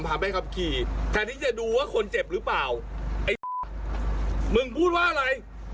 ใบขับขี่แทนที่จะดูว่าคนเจ็บหรือเปล่าไอ้มึงพูดว่าอะไร